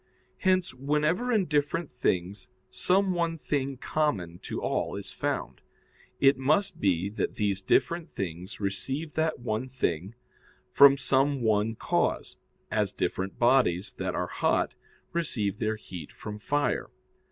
Hence whenever in different things some one thing common to all is found, it must be that these different things receive that one thing from some one cause, as different bodies that are hot receive their heat from fire.